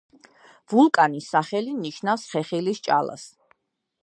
ვულკანის სახელი ნიშნავს „ხეხილის ჭალას“.